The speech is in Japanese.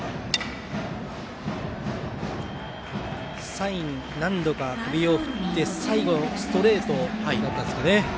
サイン、何度か首を振って最後、ストレートだったんですか。